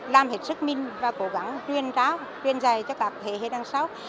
làm hết sức minh và cố gắng truyền giải cho các thế hệ đằng sau